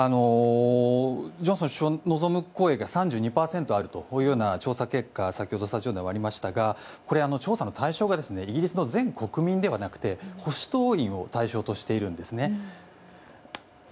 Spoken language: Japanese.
ジョンソン首相を望む声が３２％あるというようなこういうような調査結果が先ほどスタジオでありましたがこれは調査の対象がイギリスの全国民ではなくて保守党員を対象としているんですね。